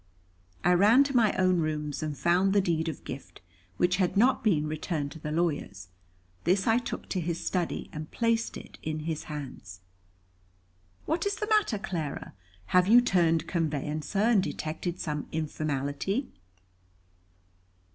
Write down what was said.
I ran to my own rooms, and found the deed of gift, which had not been returned to the lawyers. This I took to his study and placed it in his hands. "What is the matter, Clara? Have you turned conveyancer, and detected some informality?"